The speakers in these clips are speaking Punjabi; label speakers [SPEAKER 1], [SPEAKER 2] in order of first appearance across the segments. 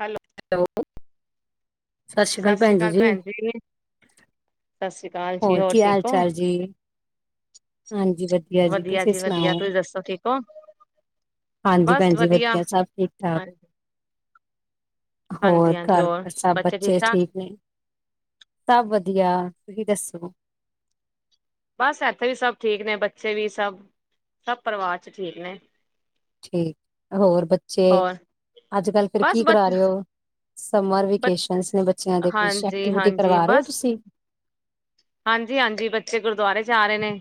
[SPEAKER 1] ਹੈਲੋ।
[SPEAKER 2] ਹੈਲੋ। ਸਤਿ ਸ਼੍ਰੀ ਅਕਾਲ। ਭੈਣ ਜੀ ਜੀ।
[SPEAKER 1] ਸਤਿ ਸ੍ਰੀਅਕਾਲ ਜੀ। ਹੋਰ,
[SPEAKER 2] ਕੀ ਹਾਲ
[SPEAKER 1] ਠੀਕ ਓਂ?
[SPEAKER 2] ਚਾਲ ਜੀ? ਹਾਂਜੀ। ਵਧੀਆ ਜੀ‌ ਤੁਸੀਂ
[SPEAKER 1] ਜੀ ਵਧੀਆ,
[SPEAKER 2] ਸੁਣਾਓ?
[SPEAKER 1] ਤੁਸੀਂ ਦੱਸੋ ਠੀਕ ਹੋ?
[SPEAKER 2] ਹਾਂਜੀ ਭੈਣਜੀ, ਵਧੀਆ ਸਭ ਠੀਕ ਠਾਕ
[SPEAKER 1] ਹਾਂਜੀ।
[SPEAKER 2] ਹੋਰ,
[SPEAKER 1] ਹਾਂਜੀ-ਹਾਂਜੀ,
[SPEAKER 2] ਘਰ
[SPEAKER 1] ਹੋਰ
[SPEAKER 2] ਸਭ ਬੱਚੇ
[SPEAKER 1] ਠੀਕ-ਠਾਕ?
[SPEAKER 2] ਠੀਕ ਨੇ? ਸਭ ਦੀਆ। ਤੁਹੀ ਦੱਸੋ?
[SPEAKER 1] ਬਸ ਇੱਥੇ ਵੀ ਸਭ ਠੀਕ ਨੇ, ਬੱਚੇ ਵੀ ਸਭ-ਸਭ ਪਰਿਵਾਰ ਚ ਠੀਕ ਨੇ।
[SPEAKER 2] ਠੀਕ। ਹੋਰ ਬੱਚੇ,
[SPEAKER 1] ਹੋਰ
[SPEAKER 2] ਅੱਜ-ਕੱਲ ਫਿਰ
[SPEAKER 1] ਬਸ
[SPEAKER 2] ਕੀ
[SPEAKER 1] ਬ
[SPEAKER 2] ਕਰਾ ਰਹੇ ਓ? ਸਮਰ
[SPEAKER 1] ਬ
[SPEAKER 2] ਵੇਕੇਸ਼ਨਸ ਨੇ ਬੱਚਿਆਂ ਦੇ ਕੁਛ ਐਕਟੀਵਿਟੀ
[SPEAKER 1] ਹਾਂਜੀ-ਹਾਂਜੀ,
[SPEAKER 2] ਕਰਵਾ ਰਹੇ ਹੋ
[SPEAKER 1] ਬਸ
[SPEAKER 2] ਤੁਸੀਂ?
[SPEAKER 1] ਹਾਂਜੀ-ਹਾਂਜੀ। ਬੱਚੇ ਗੁਰਦੁਆਰੇ ਜਾ ਰਹੇ ਨੇ।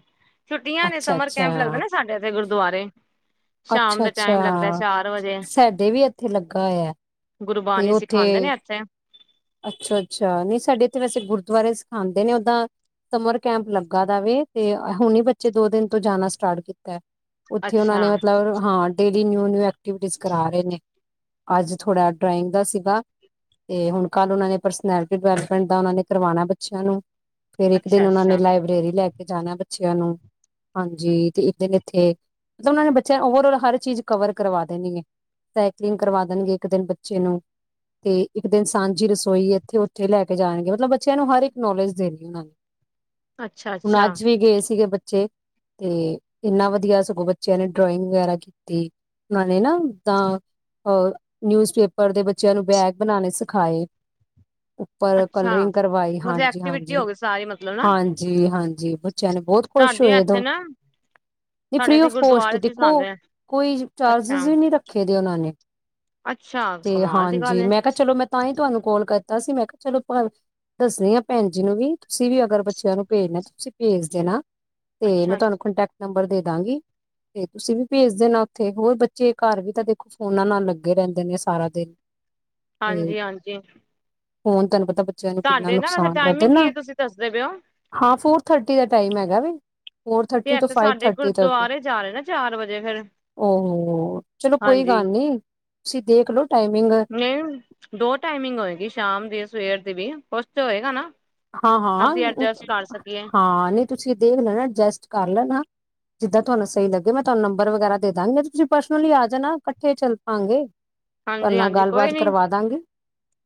[SPEAKER 1] ਛੁੱਟੀਆਂ ਨੇ,
[SPEAKER 2] ਅੱਛਾ
[SPEAKER 1] ਸਮਰ
[SPEAKER 2] ਅੱਛਾ,
[SPEAKER 1] ਕੈਂਪ ਲਗਦੇ ਨਾ ਸਾਡੇ ਇੱਥੇੁ ਗੁਰਦ ਦੁਆਰੇ।
[SPEAKER 2] ਅੱਛਾ- ਅੱਛਾ।
[SPEAKER 1] ਵਜੇ,
[SPEAKER 2] ਸਾਡੇ ਵੀ ਇੱਥੇ ਲੱਗਾ ਹੋਇਆ। ਤੇ
[SPEAKER 1] ਗੁਰਬਾਣੀ ਸਿਖਾਉਂਦੇ
[SPEAKER 2] ਉੱਥੇ
[SPEAKER 1] ਨੇ ਐਥੇ?
[SPEAKER 2] ਅੱਛਾ- ਅੱਛਾ। ਨਹੀਂ ਸਾਡੇ ਇੱਥੇ ਵੈਸੇ ਗੁਰਦੁਆਰੇ ਸਿਖਾਉਦੇ ਨੇ, ਓਦਾਂ ਸਮਰ ਕੈਂਪ ਲੱਗਾ ਦਾ ਵੇ, ਤੇ ਹੁਣ ਹੀ ਬੱਚੇ ਦੋ ਦਿਨ ਤੋਂ ਜਾਣਾ ਸਟਾਰਟ ਕੀਤਾ। ਉੱਥੇ ਉਹਨਾਂ
[SPEAKER 1] ਅੱਛਾ,
[SPEAKER 2] ਨੇ ਮਤਲਬ ਹਾਂ, ਡੇ ਨਿਊ- ਨਿਊ ਐਕਟੀਵਿਟੀ ਕਰਾ ਰਹੇ ਨੇ ਅੱਜ ਥੋੜਾ ਡਰਾਇੰਗ ਦਾ ਸੀਗਾ ਤੇ ਹੁਣ ਕੱਲ੍ਹ ਉਹਨਾਂ ਨੇ ਪਰਸਨੈਲਿਟੀ ਡਿਵੈਲਪਮੈਂਟ ਦਾ ਉਹਨਾ ਨੇ ਕਰਵਾਣਾ ਬੱਚਿਆਂ ਨੂੰ। ਫਿਰ ਇੱਕ ਦਿਨ ਉਹਨਾਂ ਨੇ
[SPEAKER 1] ਅੱਛਾ-ਅੱਛਾ,
[SPEAKER 2] ਲਾਇਬ੍ਰੇਰੀ ਲੈ ਕੇ ਜਾਣਾ ਬੱਚਿਆਂ ਨੂੰ, ਹਾਂਜੀ। ਤੇ ਇੱਕ ਦਿਨ ਇੱਥੇ ਮਤਲਬ ਉਹਨਾਂ ਨੇ ਬੱਚਿਆਂ ਓਵਰੋਲ ਹਰ ਚੀਜ਼ ਕਵਰ ਕਰਵਾ ਦੇਣੀ ਏ, ਸਾਈਕਲਿੰਗ ਕਰਵਾ ਦੇਣਗੇ, ਇੱਕ ਦਿਨ ਬੱਚੇ ਨੂੰ, ਤੇ ਇੱਕ ਦਿਨ ਸਾਂਝੀ ਰਸੋਈ ਇੱਥੇ ਉੱਥੇ ਲੈ ਕੇ ਜਾਣਗੇ, ਮਤਲਬ ਬੱਚਿਆਂ ਨੂੰ ਹਰ ਇੱਕ ਨੌਲੇਜ ਦੇਣੀ ਉਹਨਾਂ ਨੇ।
[SPEAKER 1] ਅੱਛਾ-ਅੱਛਾ,
[SPEAKER 2] ਹੁਣ
[SPEAKER 1] ਅੱਛਾ।
[SPEAKER 2] ਅੱਜ ਵੀ ਗਏ ਸੀਗੇ, ਬ ਤੇ ਇੰਨਾ ਵਧੀਆ ਸਗੋਂ! ਬੱਚਿਆਂ ਨੇ ਡਰੌਂਇਂਗ ਵਗੈਰਾ ਕੀਤੀ। ਉਹਨਾਂ ਨੇ ਨਾਦ ਅ ਨਿਊਜ਼ਪੇਪਰ ਦੇ ਬੱਚਿਆਂ ਨੂੰ ਬੈਗ ਬਣਾਨੇ ਸਿਖਾਏ। ਖਾਏ।
[SPEAKER 1] ਅੱਛਾ
[SPEAKER 2] ਉੱਪਰ
[SPEAKER 1] ਅੱਛਾ,
[SPEAKER 2] ਕਲਰਿੰਗ ਕਰਵਾਈ।
[SPEAKER 1] ਮਤਲਬ ਐਕਟੀਵਿਟੀ
[SPEAKER 2] ਹਾਂਜੀ-ਹਾਂਜੀ,
[SPEAKER 1] ਹੋ ਗਈ ਸਾਰੀ ਮਤਲਬ ਨਾ
[SPEAKER 2] ਹਾਂਜੀ, ਹਾਂਜੀ! ਬੱਚਿਆਂ ਨੇ ਬਹੁਤ ਖੁਸ਼
[SPEAKER 1] ਸਾਡੇ
[SPEAKER 2] ਹੋਏ।
[SPEAKER 1] ਇੱਥੇ ਨਾ ਸਾਡੇ
[SPEAKER 2] ਫ੍ਰੀ
[SPEAKER 1] ਇੱਥੇ
[SPEAKER 2] ਆਫ ਕੋਸਟ
[SPEAKER 1] ਗੁਰਦੁਆਰੇ ਚ ਸਿਖਾਂਦੇ ਨੇ
[SPEAKER 2] ਦੇਖੋ-ਕੋਈ ਚਾਰਜਿਸ
[SPEAKER 1] ਅੱਛਾ
[SPEAKER 2] ਵੀ ਨੀ ਰੱਖੇ। ਉਹਨਾਂ ਨੇ।
[SPEAKER 1] ਅੱਛਾ। ਕਮਾਲ ਦੀ ਗੱਲ ਏ।
[SPEAKER 2] ਕੋਲ ਕਰਤਾ ਸੀ। ਮੈਂ ਕਿਹਾ, ਚਲੋ, ਭੈਣ ਜੀ, ਨੂੰ ਵੀ। ਤੁਸੀਂ ਵੀ ਅਗਰ ਬੱਚਿਆਂ ਨੂੰ ਭੇਜਣਾ, ਤੁਸੀਂ ਭੇਜ ਦੇਣਾ। ਤੇ
[SPEAKER 1] ਅੱਛਾ
[SPEAKER 2] ਮੈਂ ਤੁਹਾਨੂੰ
[SPEAKER 1] ਅੱਛਾ
[SPEAKER 2] ਕੰਟੈਟ ਨੰਬਰ ਦੇ ਦਾਂ ਤੇ ਤੁਸੀਂ ਵੀ ਭੇਜ ਦੇ ਨਾ ਉੱਥੇ ਹੋਰ ਬੱਚੇ ਘਰ ਵੀ ਤਾਂ ਦੇਖੋ ਫੋਨਾਂ ਨਾਲ ਲੱਗੇ ਰਹਿੰਦੇ ਨੇ ਸਾਰਾ ਦਿਨ।
[SPEAKER 1] ਹਾਂਜੀ, ਹਾਂਜੀ। ਜੀ।
[SPEAKER 2] ਹੁਣ ਤੁਹਾਨੂੰ ਪਤਾ। ਬੱਚਿਆਂ ਨੂੰ ਕਿੰਨਾ ਨੁਕਸਾਨ ਕਰਦੇ
[SPEAKER 1] ਟਾਈਮਿੰਗ ਕੀ
[SPEAKER 2] ਨਾ
[SPEAKER 1] ਹੈ ਤੁਸੀਂ ਦੱਸਦੇ ਪਏ ਹੋ
[SPEAKER 2] ਹਾਂ, ਫੋਰ ਥਰਟੀ ਦਾ ਟਾਈਮ ਹੈਗਾ ਵੇ। [inaudible] [unintelligible] ਫੋਰ
[SPEAKER 1] ਤੇ
[SPEAKER 2] ਥਰਟੀ ਟ
[SPEAKER 1] ਇੱਥੇ
[SPEAKER 2] ਫਾਈਵ
[SPEAKER 1] ਸਾਡੇ
[SPEAKER 2] ਥਰਟੀ ਤੱਕ
[SPEAKER 1] ਗੁਰਦੁਆਰੇ ਜਾ ਰਹੇ ਨਾ ਚਾਰ ਵਜੇ ਫੇਰ
[SPEAKER 2] ਚਲੋ ਕੋਈ
[SPEAKER 1] ਹਾਂਜੀ
[SPEAKER 2] ਗੱਲ ਨੀ ਤੁਸੀਂ ਦੇਖਲੋ।
[SPEAKER 1] ਨਹੀਂ ਦੋ ਟਾਈਮਿੰਗ ਹੋਏਗੀ ਸ਼ਾਮ ਦੀ, ਸਵੇਰ ਦੀ ਵੀ। ਕੁਛ ਤੇ ਹੋਏਗਾ ਨਾ?
[SPEAKER 2] ਹਾਂ,
[SPEAKER 1] ਅਸੀਂ
[SPEAKER 2] ਹਾਂ,
[SPEAKER 1] ਐਡਜਸਟ ਕਰ ਸਕੀਏ
[SPEAKER 2] ਹਾਂ। ਨਹੀਂ, ਤੁਸੀਂ ਦੇਖ ਲੈਣਾ। ਅਡਜਸਟ ਕਰ ਲੈਣਾ। ਜਿੱਦਾਂ ਤੁਹਾਨੂੰ ਸਹੀ ਲੱਗੇ, ਮੈਂ ਤੁਹਾਨੂੰ ਨੰਬਰ ਵਗੈਰਾ ਦੇ ਦਾਂ ਗੀ। ਤੁਸੀਂ ਪਰਸਨਲੀ ਆ ਜਾਣਾ, ਇਕੱਠੇ ਚੱਲ ਪਾਂਗੇ। ਤੁਵਾੜੇ
[SPEAKER 1] ਹਾਂਜੀ
[SPEAKER 2] ਨਾਲ
[SPEAKER 1] ਹਾਂਜੀ ਕੋਈ
[SPEAKER 2] ਗੱਲਬਾਤ
[SPEAKER 1] ਨੀ
[SPEAKER 2] ਕਰਵਾ ਦਾਂਗੇ।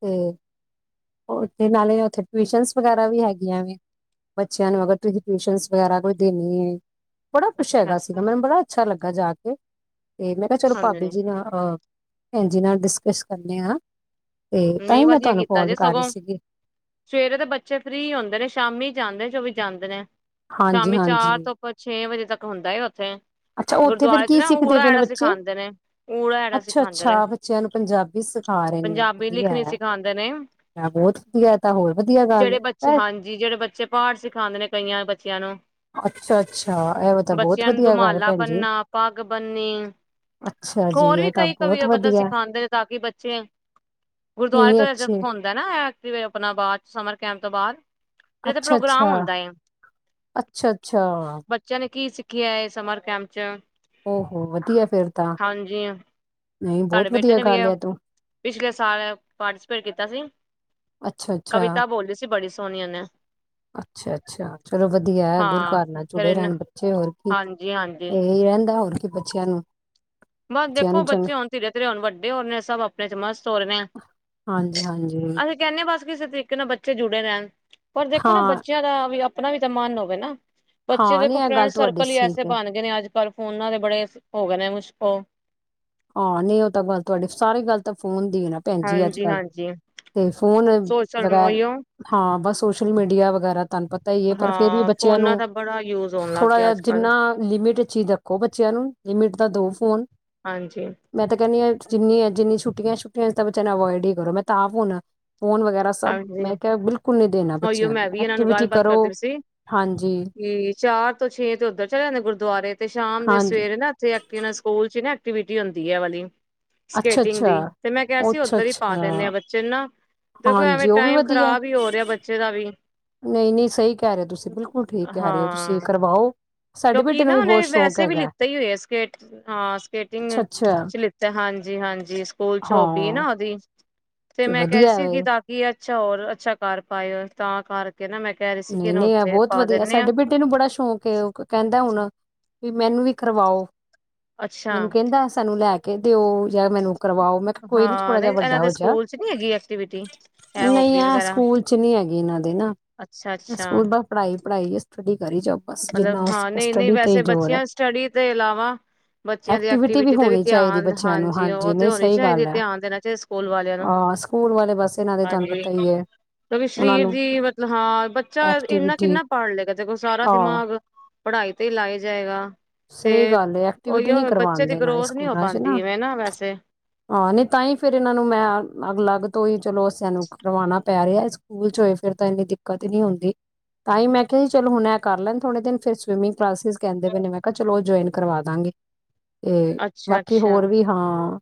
[SPEAKER 2] ਤੇ ਉਥੇ ਨਾਲੇ ਉੱਥੇ ਟਿਊਸ਼ਨ ਵਗੈਰਾ ਵੀ ਹੈਗੀਆਂ। ਬੱਚਿਆਂ ਨੂੰ ਅਗਰ ਤੁਸੀਂ ਟਿਊਸ਼ਨ ਵਗੈਰਾ ਕੋਈ ਦੇਣੀ ਏ। ਬੜਾ ਕੁੱਛ
[SPEAKER 1] ਅੱਛਾ
[SPEAKER 2] ਹੇਗਾ ਸੀ
[SPEAKER 1] ਅੱਛਾ
[SPEAKER 2] ਮੈਨੂੰ ਬੜਾ ਅੱਛਾ ਲੱਗਾ ਜਾ ਕੇ। ਤੇ ਮੈਂ ਕਿਹਾ, ਚਲੋ
[SPEAKER 1] ਹਾਂਜੀ
[SPEAKER 2] ਭਾਬੀ ਜੀ ਨਾਲ ਅ ਹਾਂਜੀ, ਨਾਲ ਡਿਸਕਸ ਕਰਨੇ ਆ। ਤੇ ਤਾਂ
[SPEAKER 1] ਨਹੀਂ,
[SPEAKER 2] ਹੀ ਮੈਂ
[SPEAKER 1] ਵਧੀਆ
[SPEAKER 2] ਤੁਹਾਨੂੰ
[SPEAKER 1] ਕੀਤਾ।
[SPEAKER 2] ਕਾਲ
[SPEAKER 1] ਜੇ
[SPEAKER 2] ਕਰ ਰਹੀ
[SPEAKER 1] ਸਗੋਂ
[SPEAKER 2] ਸੀਗੀ
[SPEAKER 1] ਸਵੇਰੇ ਤੇ ਬੱਚੇ ਫਰੀ ਹੁੰਦੇ ਨੇ, ਸ਼ਾਮੀ ਜਾਂਦੇ ਨੇ। ਜੋ ਵੀ ਜਾਂਦੇ ਨੇ।
[SPEAKER 2] ਹਾਂਜੀ
[SPEAKER 1] ਸ਼ਾਮੀ ਚਾਰ
[SPEAKER 2] ਹਾਂਜੀ
[SPEAKER 1] ਤੋਂ ਛੇ ਵਜੇ। ਤੱਕ ਹੁੰਦਾ ਏ ਉੱਥੇ।
[SPEAKER 2] ਅੱਛਾ, ਉੱਥੇ ਫੇਰ
[SPEAKER 1] ਗੁਰਦੁਆਰੇ ਚ
[SPEAKER 2] ਕੀ
[SPEAKER 1] ਨਾ
[SPEAKER 2] ਸਿੱਖਦੇ
[SPEAKER 1] ਊੜਾ
[SPEAKER 2] ਪਏ ਨੇ
[SPEAKER 1] ਐੜਾ
[SPEAKER 2] ਬੱਚੇ?
[SPEAKER 1] ਸਿਖਾਂਦੇ ਨੇ। ਊੜਾ ਐੜਾ ਸਿਖਾਂਦੇ ਨੇ
[SPEAKER 2] ਅੱਛਾਅੱਛਾ, ਬੱਚਿਆਂ ਨੂੰ ਪੰਜਾਬੀ ਸਿਖਾ ਰਹੇ ਨੇ। ਵਧੀਆ ਹੈ
[SPEAKER 1] ਸਿਖਾਉਂਦੇ ਨੇ,
[SPEAKER 2] ਬਹੁਤ ਵਧੀਆ ਤਾਂ ਹੋਰ ਵਧੀਆ ਗੱਲ
[SPEAKER 1] ਜਿਹੜੇ ਬੱਚੇ।
[SPEAKER 2] ਹੈ
[SPEAKER 1] ਹਾਂਜੀ, ਜਿਹੜੇ ਬੱਚੇ ਪਾਠ ਸਿਖਾਉਂਦੇ ਨੇ ਕਈਆਂ ਬੱਚਿਆਂ ਨੂੰ।
[SPEAKER 2] ਅੱਛਾ ਅੱਛਾ ਇਹ ਤਾਂ ਬਹੁਤ
[SPEAKER 1] ਬੱਚਿਆਂ ਨੂੰ
[SPEAKER 2] ਵਧੀਆ ਗੱਲ
[SPEAKER 1] ਦੁਮਾਲਾ
[SPEAKER 2] ਭੈਣ ਜੀ
[SPEAKER 1] ਬਣਨਾ ਪੱਗ ਬਨਨੀ
[SPEAKER 2] ਅੱਛਾ ਜੀ
[SPEAKER 1] ਹੋਰ
[SPEAKER 2] ਇਹ
[SPEAKER 1] ਵੀ
[SPEAKER 2] ਤਾਂ
[SPEAKER 1] ਕਈ ਕਵੀ
[SPEAKER 2] ਬਹੁਤ
[SPEAKER 1] ਬੰਦਾ
[SPEAKER 2] ਵਧੀਆ
[SPEAKER 1] ਸਿਖਾਉਂਦੇ ਨੇ ਤਾਂ ਕਿ ਬੱਚੇ ਗੁਰਦਆਰੇ
[SPEAKER 2] ਇੰਨੇ
[SPEAKER 1] ਤੋਂਜ
[SPEAKER 2] ਅੱਛੇ
[SPEAKER 1] ਹੋਂਦਾ ਨਾ ਆਪਣਾ ਬਾਅਦ ਸਮਰ ਕੈਂਪ ਤੋਂ ਬਾਅਦ ਇਹ ਤੇ
[SPEAKER 2] ਅੱਛਾ ਅੱਛਾ
[SPEAKER 1] ਪ੍ਰੋਗਰਾਮ ਹੁੰਦਾ ਏ।
[SPEAKER 2] ਅੱਛਾ ਅੱਛਾ
[SPEAKER 1] ਕੀਏ ਸਮਮਰ ਕ ਆਮ ਚ
[SPEAKER 2] ਹੋ ਹੋੋ ਵਧੀਆ ਫੇਿਰ ਤਾਂ
[SPEAKER 1] ਹਾਂਜੀ
[SPEAKER 2] ਨਹੀਂ
[SPEAKER 1] ਸਾਡੇ
[SPEAKER 2] ਬਹੁਤ
[SPEAKER 1] ਬੇਟੇ
[SPEAKER 2] ਵਧੀਆ
[SPEAKER 1] ਨੇ ਵੀ
[SPEAKER 2] ਗੱਲ ਹੈ ਤੂੰ
[SPEAKER 1] ਪਿਛਲੇ ਸਾਲ ਪਾਰਟੀਸਪੇਟ ਕੀਤਾ ਸੀ
[SPEAKER 2] ਅੱਛਾ ਅੱਛਾ
[SPEAKER 1] ਕਵਿਤਾ ਬੋਲਲੀ ਸੀ ਬੜੀ ਸੋਨੀਆ ਨੇ
[SPEAKER 2] ਅੱਛਾ ਅੱਛਾ ਚਲੋ ਵਧੀਆ ਗੁਰੂ
[SPEAKER 1] ਹਾਂ
[SPEAKER 2] ਘਰ ਨਾਲ
[SPEAKER 1] ਫਿਰ
[SPEAKER 2] ਜੁੜੇ
[SPEAKER 1] ਇਹਨੇ
[SPEAKER 2] ਰਹਿਣ ਬੱਚੇ ਹੋਰ ਕੀ
[SPEAKER 1] ਹਾਂਜੀ ਹਾਂਜੀ
[SPEAKER 2] ਇਹੀ ਰਹਿੰਦਾ ਹੋਰ ਕਿ ਬੱਚਿਆਂ ਨੂੰ
[SPEAKER 1] ਬਸ
[SPEAKER 2] ਬੱਚਿਆਂ
[SPEAKER 1] ਦੇਖੋ
[SPEAKER 2] ਨੂੰ ਚੰਗਾ
[SPEAKER 1] ਬੱਚੇ ਹੋਣ ਧੀਰੇ ਧਰੇ ਹੋਣ ਵੱਡੇ ਹੋ ਰਹੇ ਸਭ ਆਪਣੇ ਚ ਮਸਤ ਹੋ ਰਹੇ
[SPEAKER 2] ਹਾਂਜੀ ਹਾਂਜੀ
[SPEAKER 1] ਅਸੀਂ ਕਹਿੰਦੇ ਹ ਬਸ ਕਿਸੇ ਤਰੀਕੇ ਨਾਲ ਬੱਚੇ ਜੁੜੇ ਰਹਿਣ ਪਰ ਦੇਖੋ ਨਾ
[SPEAKER 2] ਹਾਂ
[SPEAKER 1] ਬੱਚਿਆਂ ਦਾ ਵੀ ਆਪਣਾ ਵੀ ਤੇ ਮਨ ਹੋਵੇ ਨਾ ਬੱਚੇ
[SPEAKER 2] ਹਾਂ ਨਹੀਂ
[SPEAKER 1] ਦੇਖੋ
[SPEAKER 2] ਇਹ
[SPEAKER 1] ਫਰੈਂਡ
[SPEAKER 2] ਗੱਲ ਤੁਹਾਡੀ
[SPEAKER 1] ਸਰਕਲ ਹੀ ਐਸੇ
[SPEAKER 2] ਠੀਕ ਹੈ
[SPEAKER 1] ਬਣ ਗਏ ਨੇ ਅੱਜ ਪਰ ਫੋਨਾਂ ਦੇ ਬੜੇ ਹੋ ਗਏ ਨੇ ਮੁਸ਼ਕ ਹੋ
[SPEAKER 2] ਹਾਂ ਨਹੀਂ ਉਹ ਤਾਂ ਗੱਲ ਤੁਹਾਡੀੇ ਸਾਰੇ ਗੱਲ ਤਾਂ ਫੋਨ ਨਹੀਂ ਭੈਣਜੀ ਅੱਜ
[SPEAKER 1] ਹਾਂਜੀ
[SPEAKER 2] ਕੱਲ
[SPEAKER 1] ਹਾਂਜੀ
[SPEAKER 2] ਤੇ ਫੋਨ
[SPEAKER 1] ਸੋਸ਼ਲ ਉਹੀਓ
[SPEAKER 2] ਹਾਂ ਬਸ ਸੋਸ਼ਲ ਮੀਡੀਆ ਵਗੈਰਾ ਤੁਹਨ ਪਤਾ ਹੀ ਹੈ ਪਰ ਫੇਿਰ ਵੀ
[SPEAKER 1] ਹਾਂ
[SPEAKER 2] ਬੱਚਿਆਂ
[SPEAKER 1] ਫੋਨਾਂ
[SPEAKER 2] ਨੂੰ
[SPEAKER 1] ਦਾ ਬੜਾ ਯੂਜ ਹੋਣ ਲੱਗ
[SPEAKER 2] ਥੋੜਾ
[SPEAKER 1] ਗਿਆ
[SPEAKER 2] ਜਹਾ
[SPEAKER 1] ਅੱਜ ਕੱਲ
[SPEAKER 2] ਜਿੰਨਾ ਲਿਮਿਟ ਚੀਜ਼ ਦੇਖੋ ਬੱਚਿਆਂ ਨੂੰ ਲਿਮਿਟ ਦਾ ਦੋ ਫੋਨ
[SPEAKER 1] ਹਾਂਜੀ
[SPEAKER 2] ਜਿੰਨੀਆਂ ਜਿੰਨੀਆਂ ਛੁਟੀਆਂ ਛੁੱਟੀਆਂ ਤਾਂ ਬੱਚਿਆਂ ਨੂੰ ਅਵਵਾਇਡ ਹੀ ਕਰੋ ਮੈਂ ਤਾਂਾਫ਼ ਹਣਾ
[SPEAKER 1] ਹਾਂਜੀ
[SPEAKER 2] ਦੇਣਾ
[SPEAKER 1] ਉਹੀਓ
[SPEAKER 2] ਬੱਚਿਆਂ
[SPEAKER 1] ਮੈਂ ਵੀ ਇਹਨਾਂ ਨੂੰ
[SPEAKER 2] ਐਕਟੀਵਿਟੀ
[SPEAKER 1] ਗੱਲਬਾਤ
[SPEAKER 2] ਕਰੋ
[SPEAKER 1] ਕਰਦੀ ਸੀ
[SPEAKER 2] ਹਾਂਜੀ
[SPEAKER 1] ਕਿ ਚਾਰ ਤੋਂ ਛੇ ਤੇ ਉੱਧਰ ਚਲੇ ਜਾਂਦੇ ਗੁਰਦੁਆਰੇ ਤੇ ਸ਼ਾਮ
[SPEAKER 2] ਹਾਂਜੀ
[SPEAKER 1] ਸਵੇਰੇ ਨਾ ਇੱਥੇ ਸਕੂਲ ਚ ਹੀ ਨਾ ਐਕਵਿਟੀ ਹੁੰਦੀ ਹੈ ਵਾਲੀ
[SPEAKER 2] ਅੱਛਾ
[SPEAKER 1] ਸਕੇਟਿੰਗ ਦੀ
[SPEAKER 2] ਅੱਛਾ
[SPEAKER 1] ਤੇ ਮੈਂ ਕਿਹਾ ਸੀ
[SPEAKER 2] ਅੱਛਾ
[SPEAKER 1] ਉੱਧਰ ਹੀ ਪਾ ਦਿੰਦੇ ਆਾਂ
[SPEAKER 2] ਅੱਛਾ
[SPEAKER 1] ਬੱਚੇ ਨੂੰ ਨਾ ਦੇ ਐਵੇਂ
[SPEAKER 2] ਹਾਂਜੀ ਉਹ ਵੀ
[SPEAKER 1] ਟਾਈਮ
[SPEAKER 2] ਵਧੀਆ
[SPEAKER 1] ਖਰਾਬ ਹੀ ਹੋ ਰਿਹਾ ਬੱਚੇ ਦਾ ਵੀ ਹੂ
[SPEAKER 2] ਨਹੀਂ ਨਹੀਂ ਸਹੀ ਕਹਿ ਰਹੇ ਹੋ ਤੁਸੀਂ ਬਿਲਕੁਲ ਠੀਕ ਕਹਿ ਰਹੇ ਹੋ ਤੁਸੀਂ ਕਰਵਾਓ ਸਾਡੇ
[SPEAKER 1] ਕਿਉਕਿ
[SPEAKER 2] ਬੇਟੇ ਨੂੰ
[SPEAKER 1] ਨਾ
[SPEAKER 2] ਵੀ ਬਹੁਤ
[SPEAKER 1] ਉਹਨੇ
[SPEAKER 2] ਸ਼ੌਕ
[SPEAKER 1] ਵੈਸੇ ਵੀ
[SPEAKER 2] ਹੈਗਾ
[SPEAKER 1] ਲਿੱਤੇ ਹੀ ਹੋਏ ਆ ਸਕ ਹਾਂ
[SPEAKER 2] ਅੱਛਾ
[SPEAKER 1] ਸਕੇਟਿੰਗ
[SPEAKER 2] ਅੱਛਾ
[SPEAKER 1] ਚ ਲਿੱਤਾ ਹਾਂਜੀ ਹਾਂਜੀ ਸਕੂਲ ਚ ਹੋਬੀ
[SPEAKER 2] ਹਾਂ
[SPEAKER 1] ਨਾ ਉਹਦੀ ਤੇ ਮੈਂ ਕਹਿ
[SPEAKER 2] ਵਧੀਆ
[SPEAKER 1] ਸੀਗੀ
[SPEAKER 2] ਵੇ
[SPEAKER 1] ਤਾਂ ਕਿ ਅ ਅੱਛਾ ਹੋਰ ਅੱਛਾ ਕਾਰ ਪਾਏ ਹੋ ਤਾਂ ਕਾਰ
[SPEAKER 2] ਨਹੀਂ ਨਹੀਂ ਬਹੁਤ ਵਧੀਆ
[SPEAKER 1] ਆ
[SPEAKER 2] ਸਾਡੇ ਬੇਟੇ ਨੂੰ ਬੜਾ ਸ਼ੌਕ ਐ ਉਹ ਕਹਿੰਦਾ ਹੁਣ ਵੀ ਮੈਨੂੰ ਵੀ ਕਰਵਾਓ
[SPEAKER 1] ਅੱਛਾ
[SPEAKER 2] ਮੈਨੂੰ ਕਹਿੰਦਾ ਸਾਨੂੰ ਲੈ ਕੇ ਕਹਿੰ ਦਿਓ ਜਾਂ ਮੈਨੂੰ ਕਰਵਾਓ ਮੈਂ ਕਿਹਾ ਕੋਈ ਨੀ
[SPEAKER 1] ਹਾਂ
[SPEAKER 2] ਥੋੜਾ ਜਹਾ
[SPEAKER 1] ਨਹੀਂ ਇਹਨਾਂ
[SPEAKER 2] ਵੱਡਾ
[SPEAKER 1] ਦੇ
[SPEAKER 2] ਹੋ ਜਾ,
[SPEAKER 1] ਸਕੂਲ ਚ ਨੀ ਹੈਗੀ ਐਕਟੀਵਿਟੀ ਇਹ
[SPEAKER 2] ਨਹੀਂ
[SPEAKER 1] ਹੋਬੀ
[SPEAKER 2] ਐ
[SPEAKER 1] ਵਗੈਰਾ
[SPEAKER 2] ਸਕੂਲ ਐ ਚ ਨੀ ਹੈਗੀ ਇਹਨਾਂ ਦੇ ਨਾ
[SPEAKER 1] ਅੱਛਾ ਅੱਛਾ
[SPEAKER 2] ਸਕੂਲ ਬੱਸ ਪੜ੍ਹਾਈ ਪੜ੍ਹਾਈ ਹੈ ਸਟੱਡੀ ਕਰੀ ਜਾਓ ਬਸ ਜਿੰਨਾ
[SPEAKER 1] ਮਤਲਬ
[SPEAKER 2] ਹੋ
[SPEAKER 1] ਹਾਂ
[SPEAKER 2] ਸਕੇ
[SPEAKER 1] ਨਹੀਂ ਨਹੀਂ
[SPEAKER 2] ਸਟੱਡੀ ਤੇ
[SPEAKER 1] ਵੈਸੇ
[SPEAKER 2] ਜ਼ੋਰ ਹੈ
[SPEAKER 1] ਬੱਚਿਆਂ ਸਟੱਡੀ ਤੋਂ ਇਲਾਵਾ ਬੱਚਿਆਂ ਦੀ ਐਕਟੀਵਿਟੀ ਤੇ ਵੀ
[SPEAKER 2] ਹੋਣੀ ਚਾਹੀਦੀ
[SPEAKER 1] ਧਿਆਨ
[SPEAKER 2] ਬੱਚਿਆਂ ਨੂੰ
[SPEAKER 1] ਹਾਂਜੀ ਉਹ ਤੇ
[SPEAKER 2] ਨਹੀਂ
[SPEAKER 1] ਹੋਣੀ
[SPEAKER 2] ਸਹੀ
[SPEAKER 1] ਚਾਹੀਦੀ
[SPEAKER 2] ਗੱਲ ਹੈ
[SPEAKER 1] ਧਿਆਨ ਦੇਣਾ ਚਾਹੀਦਾ ਸਕੂਲ ਵਾਲਿਆਂ ਨੂੰ
[SPEAKER 2] ਹਾਂ ਸਕੂਲ ਵਾਲੇ ਬਸ ਇਹਨਾਂ ਦੇ ਤੁਹਾਨੂੰ
[SPEAKER 1] ਹਾਂਜੀ
[SPEAKER 2] ਪਤਾ ਹੀ ਹੈ
[SPEAKER 1] ਕਿਉਂਕਿ
[SPEAKER 2] ਉਹਨਾਂ
[SPEAKER 1] ਸਰੀਰ
[SPEAKER 2] ਨੂੰ
[SPEAKER 1] ਦੀ ਮਤਲਬ ਹਾਂ ਬੱਚਾ ਇੰਨਾ
[SPEAKER 2] ਐਕਟੀਵਿਟੀ
[SPEAKER 1] ਕਿੰਨਾ ਪੜ੍ਹ ਲਏਗਾ ਦੇਖੋ ਸਾਰਾ
[SPEAKER 2] ਹਾਂ
[SPEAKER 1] ਦਿਮਾਗ ਪੜ੍ਹਾਈ ਤੇ ਹੀ ਲਾਏਆ ਜਾਏਗਾ ਤੇ
[SPEAKER 2] ਸਹੀ ਗੱਲ ਐਕਟੀਵਿਟੀ ਨਹੀ
[SPEAKER 1] ਉਹੀਓ ਬੱਚੇ
[SPEAKER 2] ਕਰਵਾਉਣ
[SPEAKER 1] ਦੀ
[SPEAKER 2] ਦੇ ਨਾਲੇ
[SPEAKER 1] ਗਰੋਥ ਨਹੀਂ ਹੋ
[SPEAKER 2] ਸਕੂਲਾਂ ਚ
[SPEAKER 1] ਪਾਉਂਦੀ
[SPEAKER 2] ਨਾ
[SPEAKER 1] ਇਵੇਂ ਵੈਸੇ
[SPEAKER 2] ਹਾਂ ਨਹੀਂ ਤਾਂ ਹੀ ਫਿਰ ਇਹਨਾਂ ਨੂੰ ਮੈਂ ਅੱਗ ਅਲੱਗ [unintelligible] ਚਲੋ [unintelligible] ਪੈ ਰਿਹਾ ਸਕੂਲ ਚ ਹੋਏ ਫਿਰ ਤਾਂ ਇੰਨੀ ਦਿੱਕਤ ਹੀ ਨੀ ਹੁੰਦੀ ਤਾਂ ਹੀ ਮੈਂ ਕਿਹਾ ਚਲੋ ਹੁਣ ਐ ਕਰ ਲੈਣ ਥੋੜੇ ਦਿਨ ਫਿਰ ਸਵਿਮਿੰਗ ਕਲਾਸਿਸ ਕਹਿੰਦੇ ਪੈ ਨਾ ਚਲੋ ਜੁਆਇਨ ਕਰਵਾ ਦਾਂਗੇ ਤੇ
[SPEAKER 1] ਅੱਛਾ
[SPEAKER 2] ਬਾਕੀ
[SPEAKER 1] ਅੱਛਾ
[SPEAKER 2] ਹੋਰ ਵੀ ਹਾਂ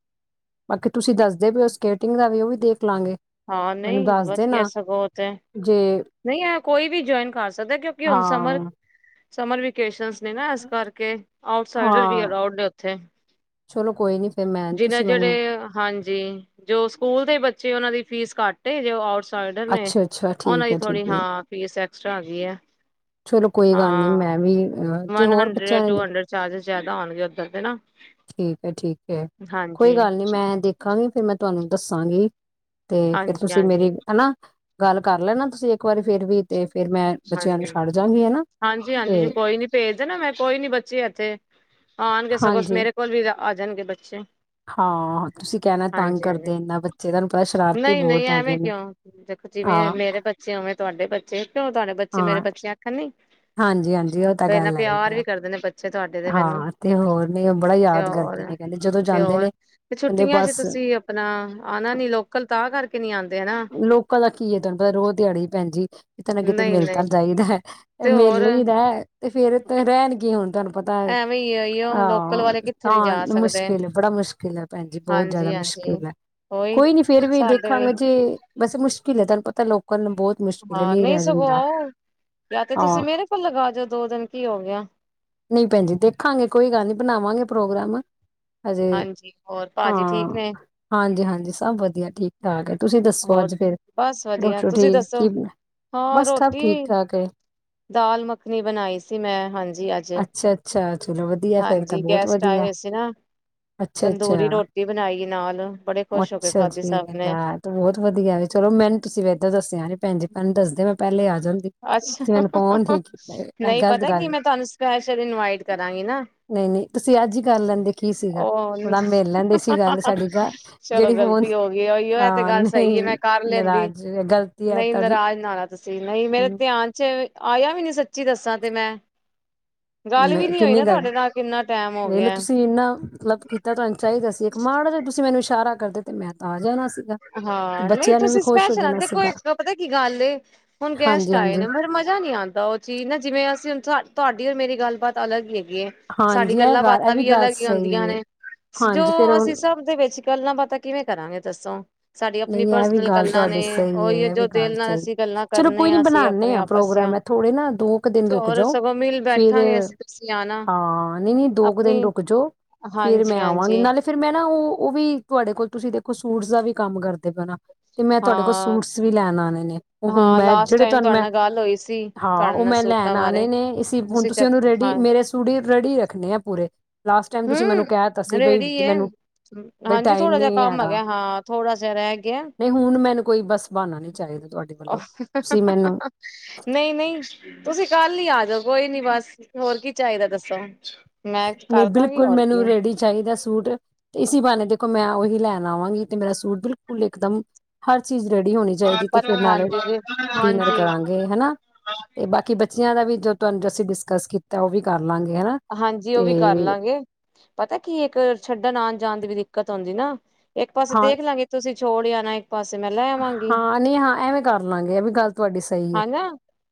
[SPEAKER 2] ਬਾਕੀ ਤੁਸੀਂ ਦੱਸਦੇ ਵੀ ਹੋ ਸਕੇਟਿੰਗ ਦਾ ਵੀ ਉਹ ਵੀ ਦੇਖ ਲਾਂਗੇ
[SPEAKER 1] ਹਾਂ
[SPEAKER 2] ਮੈਨੂੰ
[SPEAKER 1] ਨਹੀਂ
[SPEAKER 2] ਦੱਸ
[SPEAKER 1] ਵਧੀਆ
[SPEAKER 2] ਦੇਣਾ
[SPEAKER 1] ਸਗੋਂ ਤੇ
[SPEAKER 2] ਜੇ
[SPEAKER 1] ਨਹੀਂ ਕੋਈ ਵੀ ਜੁਆਇਨ ਕਰ ਸਕਦਾ ਕਿਉਂਕਿ ਹੁਣ ਸਮਰ
[SPEAKER 2] ਹਾਂ
[SPEAKER 1] ਸਮਰ ਵੇਕੇਸ਼ਨ [unintelligible] ਨਾ ਇਸ ਕਰਕੇ ਆਟਸਾਈਡਰ
[SPEAKER 2] ਹਾਂ
[SPEAKER 1] ਅ ਨੇ ਉਥੇ
[SPEAKER 2] ਚਲੋ ਕੋਈ ਨੀ ਫਿਰ ਮੈਂ
[SPEAKER 1] ਜਿਨਾਂ
[SPEAKER 2] ਤੁਸੀਂ
[SPEAKER 1] ਜਿੜੇ
[SPEAKER 2] ਮੈਨੂੰ
[SPEAKER 1] ਹਾਂਜੀ ਜੋ ਸਕੂਲ ਦੇ ਬੱਚੇ ਉਹਨਾ ਦੀ ਫੀਸ ਘੱਟ ਜੇ ਆ
[SPEAKER 2] ਅੱਛਾ ਅੱਛਾ
[SPEAKER 1] ਉਹ
[SPEAKER 2] ਠੀਕ
[SPEAKER 1] ਦੀ
[SPEAKER 2] ਹੈ ਠੀਕ
[SPEAKER 1] ਥੋੜੀ ਹਾ
[SPEAKER 2] ਹੈ
[SPEAKER 1] ਫੀਸ ਐਕਸਟਰਾ ਆ ਗਈ ਹ
[SPEAKER 2] ਚਲੋ ਕੋਈ ਗੱਲ ਨੀ
[SPEAKER 1] ਹਾਂ
[SPEAKER 2] ਮੈਂ ਵੀ ਤੇ ਹੋਰ
[SPEAKER 1] ਹੁੰਦਰੀਦ ਜਾਂ
[SPEAKER 2] ਬੱਚਿਆਂ
[SPEAKER 1] ਟੂ
[SPEAKER 2] ਨੇ
[SPEAKER 1] ਹੁੰਦਰੀਦ ਐਕਸਟਰਾ ਚਾਰਜਜ ਜ਼ਿਆਦਾ ਹੋਣਗੇ ਉੱਧਰ ਦੇ ਨਾ
[SPEAKER 2] ਠੀਕ ਹੈ ਠੀਕ ਹੈ ਕੋਈ
[SPEAKER 1] ਹਾਂਜੀ
[SPEAKER 2] ਗੱਲ ਨੀ ਮੈਂ ਦੇਖਾਂਗੀ ਫੇਿਰ ਮੈਂ ਤੁਹਾਨੂੰ ਦੱਸਾਂਗੀ ਤੇ ਫੇਿਰ
[SPEAKER 1] ਹਾਂਜੀ
[SPEAKER 2] ਤੁਸੀਂ
[SPEAKER 1] ਹਾਂਜੀ
[SPEAKER 2] ਮੇਰੀ ਹਨਾ ਗੱਲ ਕਰ ਲੈਣਾ ਤੁਸੀਂ ਇੱਕ ਵਾਰੀ ਫਿਰ ਵੀ ਤੇ ਫਿਰ ਮੈਂ ਬੱਚਿਆਂ ਨੂੰ
[SPEAKER 1] ਹਾਂਜੀ
[SPEAKER 2] ਛੱਡ ਜਾਗੀ ਹਨਾ
[SPEAKER 1] ਹਾਂਜੀ
[SPEAKER 2] ਤੇ
[SPEAKER 1] ਹਾਂਜੀ ਕੋਈ ਨੀ ਭੇਜ ਦੇ ਨਾ ਮੈਂ ਕੋਈ ਨੀ ਬੱਚੇ ਇੱਥੇ ਹਹਾੰ ਗਗੇ ਸਗੋਸ
[SPEAKER 2] ਹਾਂਜੀ
[SPEAKER 1] ਮੇਰੇ ਕੋਲਰੀਦਾ ਆ ਜਾਣਗੇ ਬੱਚੇ
[SPEAKER 2] ਹਾਂ ਤੁਸੀਂ ਕਹਿਣਾ ਤੰਗ
[SPEAKER 1] ਹਾਂਜੀ ਹਾਂਜੀ
[SPEAKER 2] ਕਰਦੇ ਇਨਾ ਬੱਚੇ ਤੁਹਾਨੂੰ ਪਤਾ ਸ਼ਰਾਰਤੀ
[SPEAKER 1] ਨਹੀਂ ਨਹੀਂ
[SPEAKER 2] ਬਹੁਤ ਹੈਗੇ
[SPEAKER 1] ਐਵੇਂ
[SPEAKER 2] ਨੇ
[SPEAKER 1] ਕਿਉਂ ਦੇਖੋ ਜਿਵੇਂ
[SPEAKER 2] ਹਾਂ
[SPEAKER 1] ਮੇਰੇ ਬੱਚੇ ਉਵੇਂ ਤੁਹਾਡੇ ਬੱਚੇ ਕਿਉਂ ਤੁਹਾਡੇ ਬੱਚੇ ਮੇਰੇ
[SPEAKER 2] ਹਾਂ
[SPEAKER 1] ਬੱਚੇ ਆਖਣ ਨੀ
[SPEAKER 2] ਹਾਂਜੀ ਹਾਂਜੀ ਉਹ ਤਾਂ ਗੱਲ ਹੈਈ ਆ
[SPEAKER 1] ਅੱਛੇ ਤੁਹਾਡੇ ਦੇ ਮੈਨੂੰ
[SPEAKER 2] ਹਾਂ ਤੇ ਹੋਰ ਨੇ ਉਹ ਬੜਾ
[SPEAKER 1] ਤੇ
[SPEAKER 2] ਯਾਦ ਕਰਦੇ
[SPEAKER 1] ਹੋਰ
[SPEAKER 2] ਨੇ ਕਹਿੰਦੇ ਜਦੋਂ
[SPEAKER 1] ਤੇ
[SPEAKER 2] ਜਾਂਦੇ
[SPEAKER 1] ਹੋਰ
[SPEAKER 2] ਨੇ
[SPEAKER 1] ਤੇ
[SPEAKER 2] ਕਹਿੰਦੇ
[SPEAKER 1] ਛੁੱਟੀਆਂ ਚ
[SPEAKER 2] ਬਸ
[SPEAKER 1] ਤੁਸੀਂ ਆਪਣਾ ਆਉਣਾ ਨੀ ਲੋਕਲ ਤਾਂ ਕਰਕੇ [inaudible]
[SPEAKER 2] ਲੋਕਾਂ ਦਾ ਕੀ ਹੈ ਤੁਹਾਨੂੰ ਪਤਾ ਰੋਜ਼ ਦਿਹਾੜੀ ਹੀ ਪੈਣਜੀ ਕਿਤੇ ਨਾ ਕਿਤੇ
[SPEAKER 1] ਨਹੀਂ
[SPEAKER 2] ਮਿਲ ਤਾਂ
[SPEAKER 1] ਨਹੀਂ
[SPEAKER 2] ਜਾਈਦਾ
[SPEAKER 1] ਤੇ
[SPEAKER 2] ਮਿਲ
[SPEAKER 1] ਹੋਰ
[SPEAKER 2] ਲਈਦਾ ਅਤੇ ਫਿਰ ਰਹਿਣਗੇ ਹੁਣ ਤੁਹਾਨੂੰ ਪਤਾ
[SPEAKER 1] ਐਵੇਂ ਹੀ ਉਹ ਲੋਕਲ
[SPEAKER 2] ਹਾਂ
[SPEAKER 1] ਵਾਲੇ ਕਿੱਥੇ ਨੀ ਜਾ
[SPEAKER 2] ਤਾਂ
[SPEAKER 1] ਸਕਦੇ
[SPEAKER 2] ਮੁਸ਼ਕਿਲ ਬੜਾ ਮੁਸ਼ਕਿਲ ਹੈ ਭੈਣ ਜੀ ਬਹੁਤ ਜ਼ਿਆਦਾ
[SPEAKER 1] ਹਾਂਜੀ ਹਾਂਜੀ
[SPEAKER 2] ਮੁਸ਼ਕਿਲ ਹੈ
[SPEAKER 1] ਉਹੀ
[SPEAKER 2] ਕੋਈ ਨੀ ਫੇਰ ਵੀ ਦੇਖਾਂਗੇ ਜੇ ਮੁਸ਼ਕਿਲ ਹੈ ਤੁਹਾਨੂੰ ਪਤਾ ਲੋਕਲ ਨੂੰ ਬਹੁਤ ਮੁਸ਼ਕਿਲ ਹੈ
[SPEAKER 1] ਹਾਂ
[SPEAKER 2] ਨੀ
[SPEAKER 1] ਨਹੀਂ
[SPEAKER 2] ਰਹਿ
[SPEAKER 1] ਸਗੋਂ
[SPEAKER 2] ਜਾਂਦਾ
[SPEAKER 1] ਆਓ ਜਾਂ ਤੇ ਤੁਸੀਂ
[SPEAKER 2] ਹਾਂ
[SPEAKER 1] ਮੇਰੇ ਕੋਲ ਲਗਾ ਜਾਓ ਦੋ ਦਿਨ ਕੀ ਹੋ ਗਿਆ
[SPEAKER 2] ਨਹੀਂ ਭੈਣ ਜ ਦੇਖਾਂਗੇ ਕੋਈ ਗੱਲ ਨੀ ਬਣਾਵਾਂਗੇ ਪ੍ਰੋਗਰਾਮ ਹਜੇ
[SPEAKER 1] ਹਾਂਜੀ ਹੋਰ ਭਾਜੀ
[SPEAKER 2] ਹਾਂ
[SPEAKER 1] ਠੀਕ ਨੇ
[SPEAKER 2] ਹਾਂਜੀ ਹਾਂਜੀ ਸਭ ਵਧੀਆ ਠੀਕ ਠਾਕ ਹੈ ਤੁਸੀਂ ਦੱਸੋ
[SPEAKER 1] ਹੋਰ
[SPEAKER 2] ਅੱਜ ਫੇਰ
[SPEAKER 1] ਬਸ ਵਧੀਆ
[SPEAKER 2] ਰੋਟੀ
[SPEAKER 1] ਤੁਸੀਂ
[SPEAKER 2] ਰੋਟੀ
[SPEAKER 1] ਦੱਸੋ
[SPEAKER 2] ਕੀ
[SPEAKER 1] ਹਾਂ
[SPEAKER 2] ਬਸ ਸਭ
[SPEAKER 1] ਰੋਟੀ
[SPEAKER 2] ਠੀਕ ਠਾਕ ਹੈ
[SPEAKER 1] ਦਾਲ ਮੱਖਣੀ ਬਣਾਈ ਸੀ ਮੈਂ ਹਾਂਜੀ ਅੱਜ
[SPEAKER 2] ਅੱਛਾ-ਅੱਛਾ ਚਲੋ ਵਧੀਆ ਫੇਰ ਤਾਂ
[SPEAKER 1] ਹਾਂਜੀ
[SPEAKER 2] ਬਹੁਤ
[SPEAKER 1] ਗੈਸਟ
[SPEAKER 2] ਵਧੀਆ
[SPEAKER 1] ਆਏਏ ਸੀ ਨਾ ਤੰਦੂਰੀ
[SPEAKER 2] ਅੱਛਾ-ਅੱਛਾ।
[SPEAKER 1] ਰੋਟੀ ਬਣਾਈ ਨਾਲ ਬੜੇ ਖੁਸ਼ ਹੋ ਕੇ
[SPEAKER 2] ਅੱਛਾ
[SPEAKER 1] ਖਾਧੀ
[SPEAKER 2] ਅੱਛਾ
[SPEAKER 1] ਸਭ
[SPEAKER 2] ਜੀ
[SPEAKER 1] ਨੇ
[SPEAKER 2] ਲੈ ਤੇ ਬਹੁਤ ਵਧੀਆ ਵੀ ਚਲੋ ਮੈਨੂੰ ਤੁਸੀਂ ਵੀ ਇਏਾਂ ਦੱਸਿਆ ਨੇ ਭੈਣ ਮੈਨੂੰ ਦੱਸਦੇ ਮੈਂ ਪਹਿਲੇ ਆ ਜਾਂਦੀ
[SPEAKER 1] ਅੱਛਾ
[SPEAKER 2] ਤੁਸੀਂ ਮੈਨੂੰ ਫੋਨ ਨੀ ਕੀਤਾ ਇਹ
[SPEAKER 1] ਨਹੀਂ
[SPEAKER 2] ਗ਼ਲਤ
[SPEAKER 1] ਪਤਾ ਕੀ
[SPEAKER 2] ਗੱਲ
[SPEAKER 1] ਮੈਂ ਤੁਹਾਨੂੰ ਸਪੈਸ਼ਲ ਇਨਵਾਈਟ ਕਰਾਂਗੀ ਨਾ
[SPEAKER 2] ਨਈ-ਨਈ ਤੁਸੀਂ ਅੱਜ ਹੀ ਕਰ ਲੈਂਦੇ ਕੀ ਸੀਗਾ
[SPEAKER 1] ਉਹ
[SPEAKER 2] ਥੋੜਾ ਮਿਲ ਲੈਂਦੇ ਸੀ ਗੱਲ ਸਾਡੀ ਗ ਜਿਹੜੀ ਹੁਣ ਆਹ
[SPEAKER 1] ਸਹੀਏ ਮੈਂ ਕਰ ਲੈਂਦੀ
[SPEAKER 2] ਹੈ
[SPEAKER 1] ਨਹੀਂ
[SPEAKER 2] ਤੁਹਾਡੀ
[SPEAKER 1] ਨਾਰਜ਼ ਨਾ ਆਉਣਾ ਤੁਸੀਂ ਨਹੀਂ ਮੇਰੇ ਧਿਆਨ ਚ ਆਇਆ ਵੀ ਨੀ ਸੱਚੀ ਦੱਸਾਂ ਤੇ ਮੈਂ ਗੱਲ
[SPEAKER 2] ਮੈਂ
[SPEAKER 1] ਵੀ ਨੀ ਹੋਈ
[SPEAKER 2] ਕਿੰਨੀ
[SPEAKER 1] ਨਾ
[SPEAKER 2] ਗੱਲ
[SPEAKER 1] ਤੁਹਾਡੇ ਨਾਲ ਕਿੰਨਾ ਟੈਮ ਹੋ
[SPEAKER 2] ਵੇਖਲੋ
[SPEAKER 1] ਗਿਆ
[SPEAKER 2] ਤੁਸੀਂ ਮਤਲਬ ਕੀਤਾ ਤੁਹਾਨੂੰ ਚਾਹੀਦਾ ਸੀ ਇੱਕ ਮਾੜ ਜਹਾ ਤੁਸੀਂ ਮੈਨੂੰ ਇਸ਼ਾਰਾ ਕਰਦੇ ਤੇ ਮੈਂ ਤਾਂ ਆ ਜਾਣਾ ਸੀ
[SPEAKER 1] ਹਾਂ ਨਹੀਂ ਤੁਸੀਂ ਸਪੈਸ਼ਲ ਆ ਦੇਖੋ
[SPEAKER 2] ਸੀਗਾ।
[SPEAKER 1] ਇੱਕ ਪਤਾ ਕੀ ਗੱਲ ਏ ਹੁਣ ਗੈਸਟ ਆਏ
[SPEAKER 2] ਹਾਂਜੀ-ਹਾਂਜੀ, ਹਾਂਜੀ
[SPEAKER 1] ਨੇ ਮ ਮਜ਼ਾ ਨਹੀਂੀ ਆਉਂਦਾ ਉਹ ਚੀਜ਼ ਨਾ ਜਿਵੇਂ ਅਸੀਂ ਹੁਣ ਤੁਹਾਡੇ ਮੇ ਗੱਲਬਾਤ ਅਲੱਗ ਈ ਸਾਡੀ
[SPEAKER 2] ਹਾਂਜੀ ਇਹ
[SPEAKER 1] ਗੱਲਾਂ
[SPEAKER 2] ਗੱਲ ਇਹ
[SPEAKER 1] ਬਾਤਾਂ ਵੀ
[SPEAKER 2] ਗੱਲ
[SPEAKER 1] ਅਲੱਗ ਹੀ
[SPEAKER 2] ਸਹੀ
[SPEAKER 1] ਆਉਂਦੀਆਂ
[SPEAKER 2] ਏ।
[SPEAKER 1] ਨੇ ਜੋ
[SPEAKER 2] ਹਾਂਜੀ ਫੇਰ ਉਹ
[SPEAKER 1] ਅਸੀਂ ਸਭ ਦੇ ਵਿੱਚ ਗੱਲਾਂ ਪਤਾ ਕਿਵੇਂ ਕਰਾਂਗੇ ਦੱਸੋ ਸਾਡੀ ਆਪਣੀ
[SPEAKER 2] ਨਹੀਂ ਇਹ ਵੀ
[SPEAKER 1] ਪਰਸਨਲ
[SPEAKER 2] ਗੱਲ
[SPEAKER 1] ਗੱਲਾਂ ਨੇ
[SPEAKER 2] ਤੁਹਾਡੀ ਸਹੀ ਹੈ
[SPEAKER 1] ਉਹੀ
[SPEAKER 2] ਇਹ ਵੀ
[SPEAKER 1] ਜੋ
[SPEAKER 2] ਗੱਲ
[SPEAKER 1] ਦਿਲ ਨਾਲ
[SPEAKER 2] ਸਹੀ
[SPEAKER 1] ਅਸੀਂ ਗੱਲਾਂ
[SPEAKER 2] ਚਲੋ
[SPEAKER 1] ਕਰਨੇ
[SPEAKER 2] ਕੋਈ ਨੀ
[SPEAKER 1] ਆ ਅਸੀਂ
[SPEAKER 2] ਬਣਾਦੇ
[SPEAKER 1] ਆਪਣੇ
[SPEAKER 2] ਆ
[SPEAKER 1] ਆਪਸ
[SPEAKER 2] ਪ੍ਰੋਗਰਾਮ
[SPEAKER 1] ਦੀਆਂ
[SPEAKER 2] ਹੈ ਥੋੜੇ ਨਾ ਦੋ ਕੁ ਦਿਨ
[SPEAKER 1] ਤੇ
[SPEAKER 2] ਰੁਕ
[SPEAKER 1] ਹੋਰ
[SPEAKER 2] ਜਾਓ
[SPEAKER 1] ਸਗੋਂ ਮਿਲ
[SPEAKER 2] ਫਿਰ
[SPEAKER 1] ਬੈਠਾਂਗੇ ਅਸੀਂ ਤੁਸੀਂ ਆਣਾ
[SPEAKER 2] ਹਾਂ ਨਹੀਂ ਨਹੀਂ ਦੋ ਕੁ
[SPEAKER 1] ਆਪਣੀ
[SPEAKER 2] ਦਿਨ ਰੁਕ ਜਾਓ ਫਿਰ
[SPEAKER 1] ਹਾਂਜੀ
[SPEAKER 2] ਮੈਂ ਆਵਾਂਗੀ
[SPEAKER 1] ਹਾਂਜੀ
[SPEAKER 2] ਨਾਲੇ ਫਿਰ ਮੈਂ ਨਾ ਉਹ ਉਹ ਵੀ ਤੁਹਾਡੇ ਕੋਲ ਤੁਸੀਂ ਦੇਖੋ ਸੂਟਸ ਦਾ ਵੀ ਕੰਮ ਕਰਦੇ ਪੈਾਂ ਤੇ ਮੈਂ ਤੁਹਾਡੇ ਕੋਲ
[SPEAKER 1] ਹਾਂ
[SPEAKER 2] ਸੂਟਸ ਵੀ ਲੈਣ ਆਉਣੇ ਨੇ ਉਹ ਹੁਣ
[SPEAKER 1] ਹਾਂ
[SPEAKER 2] ਮੈਂ
[SPEAKER 1] ਲਾਸਟ
[SPEAKER 2] ਜਿਹੜੇ
[SPEAKER 1] ਟਾਈਮ
[SPEAKER 2] ਤੁਹਾਨੂੰ
[SPEAKER 1] ਤੁਹਾਡੇ
[SPEAKER 2] ਮੈਂ
[SPEAKER 1] ਨਾਲ ਗੱਲ ਹੋਈ ਸੀ
[SPEAKER 2] ਹਾਂ
[SPEAKER 1] ਤੁਹਾਡੇ
[SPEAKER 2] ਉਹ
[SPEAKER 1] ਨਾਲ
[SPEAKER 2] ਮੈਂ ਲੈਣ
[SPEAKER 1] ਸੂਟਾਂ ਬਾਰੇ
[SPEAKER 2] ਆਉਣੇ ਨੇ ਇਸ ਹੁਣ ਤੁਸੀਂ
[SPEAKER 1] ਚੈੱਕ
[SPEAKER 2] ਉਹਨੂੰ ਰੈਡੀ
[SPEAKER 1] ਹਾਂ
[SPEAKER 2] ਮੇਰੇ ਸੂਟ ਹੀ ਰੈਡੀ ਰੱਖਣੇ ਆ ਪੂਰੇ ਲਾਸਟ ਟਾਈਮ ਤੁਸੀਂ ਮੈਨੂੰ ਕਹਿ ਦਿੱਤਾ
[SPEAKER 1] ਹੂੰ
[SPEAKER 2] ਸੀ ਬਈ
[SPEAKER 1] ਰੇਡੀ ਏ।
[SPEAKER 2] ਮੈਨੂੰ ਬਈ
[SPEAKER 1] ਹਾਂਜੀ
[SPEAKER 2] ਟਾਈਮ
[SPEAKER 1] ਥੋੜਾ
[SPEAKER 2] ਨ
[SPEAKER 1] ਜਿਹਾ ਕੰਮ
[SPEAKER 2] ਹੈਗਾ
[SPEAKER 1] ਹਾਂ ਥੋੜਾ ਜਿਹਾ ਰਹਿ ਗਿਆ
[SPEAKER 2] ਨਹੀਂ ਹੁਣ ਮੈਨੂੰ ਕੋਈ ਬਸ ਬਹਾਨਾ ਨਹੀਂ ਚਾਹੀਦਾ ਤੁਹਾਡੇ ਵੱਲੋਂ ਤੁਸੀਂ ਮੈਨੂੰ
[SPEAKER 1] ਨਹੀਂ ਨਹੀਂ ਤੁਸੀਂ ਕ ਕੱਲ ਹੀ ਆ ਜਾਓ ਕੋਈ ਨੀ ਬਸ ਹੋਰ ਕੀ ਚਾਹੀਦਾ ਦੱਸੋ ਮੈਂਚ ਕਰ
[SPEAKER 2] ਕੋੁ ਮੈਨੂੰ ਰੇਡੀ ਚਾਹੀਦੀ ਦਾ ਸੂਟ ਤੇ ਇਸ ਬੇ ਦੇਖੋ ਮੈਂ ਉਹੀ ਲੈਣ ਆਵਾਂਗੀ ਤੇ ਮੇਰਾ ਸੂਟ ਬਿਲਕੁਲ ਇੱਕਦਮ ਹਰ ਚੀਜ਼ ਰੈਡੀ ਹੋਣੀ ਚਾਹੀਦੀ ਤੇ
[SPEAKER 1] ਪਰ
[SPEAKER 2] ਫਿਰ ਨਾਲੇ
[SPEAKER 1] ਹਾਂਜੀ ਜੀ
[SPEAKER 2] ਡਿਨਰ
[SPEAKER 1] ਹਾਂਜੀ।
[SPEAKER 2] ਕਰਾਂਗੇ ਹਨਾ ਤੇ ਬਾਕੀ ਬੱਚੇ ਦਾ ਵੀ ਜੋ ਤੁਹਾਨੂੰ ਅਸੀਂ ਡਿਸਕਸ ਕੀਤਾ ਉਹ ਵੀ ਕਰ ਕਰ ਲਾਂਗੇ ਹਨਾ
[SPEAKER 1] ਜੀ ਉਹ
[SPEAKER 2] ਤੇ
[SPEAKER 1] ਵੀ ਕਰ ਲਾਂਗੇ ਪਤਾ ਕੀ ਇੱਕ ਛੱਡਣ ਆਉਣ ਜਾਣ ਦੀ ਵੀ ਦਿੱਕਤ ਹੋਦੀ ਨਾ ਇੱਕ ਪਾਸੇ
[SPEAKER 2] ਹਾਂ
[SPEAKER 1] ਦੇਖ ਲਾਂਗੇ ਤੁਸੀਂ ਛੋੜੀਆਂਣਾ ਇਕ
[SPEAKER 2] ਹਾਂ ਨਹੀਂ ਹਾਂ ਐਵੇਂ ਕਰ ਲਵਾਂਗੇ ਇਹ ਵੀ ਗੱਲ ਤੁਹਾਡੀ ਸਹੀ ਹੈ
[SPEAKER 1] ਹਨਾ।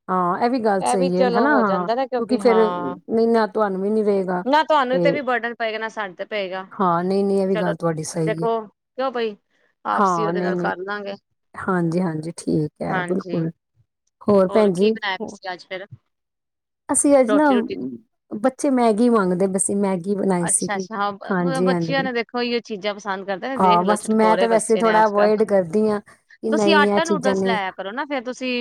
[SPEAKER 2] ਹਾਂ ਇਹ ਵੀ ਗੱਲ ਸਹੀ ਹੈ
[SPEAKER 1] ਚਲੋ
[SPEAKER 2] ਹਨਾ
[SPEAKER 1] ਹੋ
[SPEAKER 2] ਹਾਂ
[SPEAKER 1] ਜਾਂਦਾ ਨਾ
[SPEAKER 2] ਕਿਉਂਕਿ ਫੇਿਰ
[SPEAKER 1] ਹਾਂ
[SPEAKER 2] ਨਾ ਤੁਹਾਨੂੰ ਵੀ ਨੀ ਰਹੇਗਾ
[SPEAKER 1] ਨਾ ਤੁਹਾਨੂੰ ਤੇ ਵੀ ਬਰਡਨ ਪ ਨਾ ਸਾਡੇ ਤੇ ਪਏਗਾ
[SPEAKER 2] ਹਾਂ ਨਹੀਂ ਨਹੀਂ ਇਹ ਵੀ
[SPEAKER 1] ਚਲੋ
[SPEAKER 2] ਗੱਲ ਤੁਹਾਡੀ ਸਹੀ ਹੈ
[SPEAKER 1] ਦੇਖੋ ਕਿਉਂ ਬਈ ਆਪਸੀ
[SPEAKER 2] ਹਾਂ
[SPEAKER 1] ਉਹਦੇ
[SPEAKER 2] ਨਹੀਂ
[SPEAKER 1] ਨਾਲ
[SPEAKER 2] ਨਹੀਂ
[SPEAKER 1] ਕਰ ਲਾਂਗੇ
[SPEAKER 2] ਹਾਂਜੀ ਹਾਂਜੀ ਠੀਕ ਹੈ
[SPEAKER 1] ਹਾਂਜੀ
[SPEAKER 2] ਬਿਲਕੁਲ ਹੋਰ ਭੈਣ
[SPEAKER 1] ਕੀ
[SPEAKER 2] ਜੀ
[SPEAKER 1] ਬਣਾਇਆ ਤੁਸੀਂ ਅੱਜ ਫਿਰ
[SPEAKER 2] ਅਸੀਂ ਅੱਜ ਨਾ
[SPEAKER 1] ਰੋਟੀ ਰੂਟੀ
[SPEAKER 2] ਬਚੇ ਮੈਗੀ ਮੰਗਦੇ ਬਸੀਂ ਮੈ
[SPEAKER 1] ਅੱਛਾ ਅੱਛਾ ਹਾਂ ਬੱਚਿਆਂ ਨੇ ਦੇਖੋ ਹੀ ਚੀਜ਼ਾਂ ਪਸੰਦ ਕਰਦੇ ਨੇ ਦੇਖ
[SPEAKER 2] ਹਾਂ
[SPEAKER 1] ਲਓ
[SPEAKER 2] ਬਸ ਮੈਂ
[SPEAKER 1] ਛੁਟਕੋਰੇ
[SPEAKER 2] ਤਾਂ ਵੈਸੇ
[SPEAKER 1] ਬੱਚੇ ਨੇ
[SPEAKER 2] ਥੋੜਾ
[SPEAKER 1] ਅੱਜ ਕੱਲ
[SPEAKER 2] ਅਵੋਇਡ ਕਰਦੀ ਹਾਂ ਕਿ
[SPEAKER 1] ਤੁਸੀਂ
[SPEAKER 2] ਨਹੀਂ ਇਹ
[SPEAKER 1] ਆਟਾ
[SPEAKER 2] ਚੀਜ਼ਾਂ
[SPEAKER 1] ਨੂਡਲਸ
[SPEAKER 2] ਨੇ
[SPEAKER 1] ਲਿਆ ਕਰੋ ਨਾ ਫੇਿਰ ਤੁਸੀਂ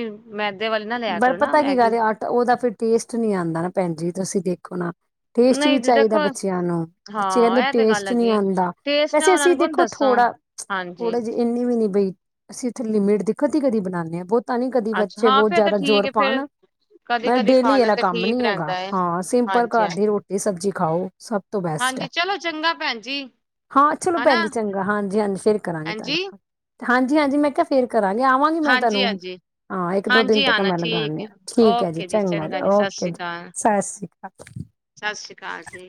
[SPEAKER 1] ਮੈਦੇ ਵਾਲੀ ਨਾ ਲਿਆ
[SPEAKER 2] ਪਰ
[SPEAKER 1] ਕਰੋ ਨਾ
[SPEAKER 2] ਪਤਾ ਕੀ
[SPEAKER 1] ਮੈਗੀ
[SPEAKER 2] ਗੱਲ ਹੈ ਆਟਾ ਉਹਦਾ ਫਿਰ ਟੇਸਟ ਨਹੀਂ ਆਉਂਦਾ ਨਾ ਭੈਣ ਜੀ ਤੁਸੀਂ ਦੇਖੋ ਨਾ ਟੇਸਟ ਵੀ
[SPEAKER 1] ਨਹੀਂ ਜੀ
[SPEAKER 2] ਚਾਹੀਦਾ
[SPEAKER 1] ਦੇਖੋ
[SPEAKER 2] ਬੱਚਿਆਂ ਨੂੰ ਬੱਚੇ
[SPEAKER 1] ਹਾਂ
[SPEAKER 2] ਕਹਿੰਦੇ
[SPEAKER 1] ਇਹ ਤੇ ਗੱਲ
[SPEAKER 2] ਟੇਸਟ ਨਹੀਂੀ
[SPEAKER 1] ਹੈਗੀ ਹੈ
[SPEAKER 2] ਆਉਂਦਾ
[SPEAKER 1] ਟੇਸਟ ਨਾ
[SPEAKER 2] ਵੈਸੇ
[SPEAKER 1] ਉਹਨਾਂ
[SPEAKER 2] ਅਸੀਂ
[SPEAKER 1] ਨੂੰ ਕਹੋ
[SPEAKER 2] ਦੇਖੋ
[SPEAKER 1] ਦੱਸੋ
[SPEAKER 2] ਥੋੜਾ
[SPEAKER 1] ਹਾਂਜੀ
[SPEAKER 2] ਥੋੜਾ ਜਿ ਇੰਨੀ ਵੀ ਨੀ ਬਈ ਅਸੀਂ ਉੱਥੇ ਲਿਮਿਟ ਦੀ ਕਦੀ ਕਦੀ ਬਣਾਉਂਦੇ ਹਾਂ ਬਹੁਤ ਤਾਂ ਨਹੀਂੀ ਕਦੀ
[SPEAKER 1] ਅੱਛਾ
[SPEAKER 2] ਬੱਚੇ
[SPEAKER 1] ਹਾਂ
[SPEAKER 2] ਬਹੁਤ
[SPEAKER 1] ਫੇਰ ਤਾਂ
[SPEAKER 2] ਜ਼ਿਆਦਾ
[SPEAKER 1] ਠੀਕ
[SPEAKER 2] ਜ਼ੋਰ
[SPEAKER 1] ਹੈ ਫੇਰ
[SPEAKER 2] ਪਾਉਣ
[SPEAKER 1] ਕਦੀ
[SPEAKER 2] ਮੈਂ
[SPEAKER 1] ਕਦੀ ਖਾ
[SPEAKER 2] ਲਈ ਇਹ
[SPEAKER 1] ਲੈਣ
[SPEAKER 2] ਦਾ
[SPEAKER 1] ਤੇ
[SPEAKER 2] ਕੰਮ
[SPEAKER 1] ਠੀਕ
[SPEAKER 2] ਨੀ ਹੈਗਾ
[SPEAKER 1] ਰਹਿੰਦਾ ਹੈ
[SPEAKER 2] ਹਾਂ ਸਿੰਪਲ
[SPEAKER 1] ਹਾਂਜੀ
[SPEAKER 2] ਘਰ ਦੀ
[SPEAKER 1] ਹਾਂਜੀ
[SPEAKER 2] ਰੋਟੀ ਸਬਜੀ ੱਚੀ ਖਾਓ ਸਭ ਤੋਂ ਬੈਸਟ
[SPEAKER 1] ਹਾਂਜੀ
[SPEAKER 2] ਹੈ
[SPEAKER 1] ਚਲੋ ਚੰਗਾ ਭੈਣ ਜੀ
[SPEAKER 2] ਹਾਂ ਚਲੋ
[SPEAKER 1] ਹਨਾ
[SPEAKER 2] ਭੈਣਦੀ ਚੰਗਾ ਹਾਂਜੀ ਹਾਂਜੀ ਫਿਰ ਕਰਾਂਗੇ
[SPEAKER 1] ਹਾਂਜੀ
[SPEAKER 2] ਤੁਹਾਨੂੰ ਫੋਨ ਹਾਂਜੀ ਹਾਂਜੀ ਮੈਂ ਕਿਹਾ ਫੇਰ ਕਰਾਂਗੇ ਆਵਾਂਗੀ ਮੈਂ
[SPEAKER 1] ਹਾਂਜੀ
[SPEAKER 2] ਤੁਹਾਨੂੰ
[SPEAKER 1] ਹਾਂਜੀ
[SPEAKER 2] ਹਾਂ ਇੱਕ ਦੋ ਦਿਨ
[SPEAKER 1] ਹਾਂਜੀ
[SPEAKER 2] ਤੱਕ
[SPEAKER 1] ਆਨਾ
[SPEAKER 2] ਮੈਂ
[SPEAKER 1] ਠੀਕ
[SPEAKER 2] ਲਗਾਾਨ
[SPEAKER 1] ਹੈ
[SPEAKER 2] ਠੀਕ ਹੈ ਜੀ
[SPEAKER 1] ਓਕੇ ਚੰਗਾ ਜੀ ਸਤਿ
[SPEAKER 2] ਓਕੇ
[SPEAKER 1] ਸ਼੍ਰੀ
[SPEAKER 2] ਜੀ
[SPEAKER 1] ਅਕਾਲ
[SPEAKER 2] ਸਤਿ ਸ਼੍ਰੀ ਅਕਾਲ
[SPEAKER 1] ਅਸੀ